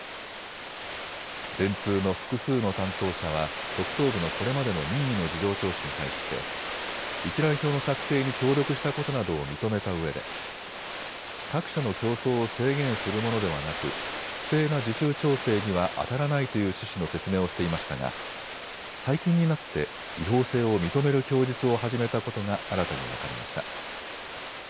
電通の複数の担当者は特捜部のこれまでの任意の事情聴取に対して一覧表の作成に協力したことなどを認めたうえで各社の競争を制限するものではなく、不正な受注調整にはあたらないという趣旨の説明をしていましたが最近になって違法性を認める供述を始めたことが新たに分かりました。